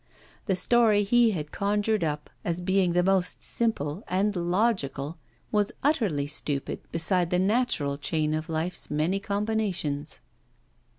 The story he had conjured up as being the most simple and logical was utterly stupid beside the natural chain of life's many combinations.